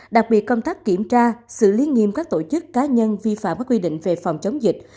đặc biệt công tác kiểm tra xử lý nghiêm các tổ chức cá nhân vi phạm các quy định về phòng chống dịch